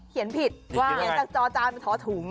เขียนผิดเขียนจากจอจานมันท้อถุง